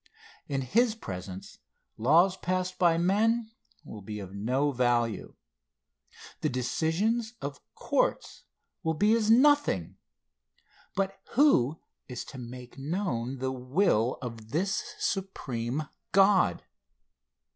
In his presence, laws passed by men will be of no value. The decisions of courts will be as nothing. But who is to make known the will of this supreme God?